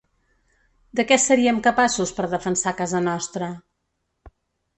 De què seríem capaços per defensar casa nostra?